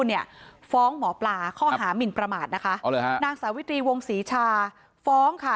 เนี่ยฟ้องหมอปลาข้อหามินประมาทนะคะอ๋อเหรอฮะนางสาวิตรีวงศรีชาฟ้องค่ะ